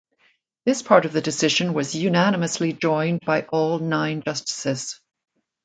This part of the decision was unanimously joined by all nine justices.